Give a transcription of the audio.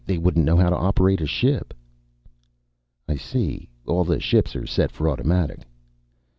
They wouldn't know how to operate a ship." "I see. All the ships are set for automatic."